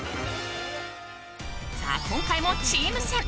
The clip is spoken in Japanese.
さあ、今回もチーム戦。